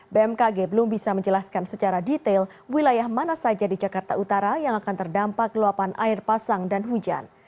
bmkg belum bisa menjelaskan secara detail wilayah mana saja di jakarta utara yang akan terdampak luapan air pasang dan hujan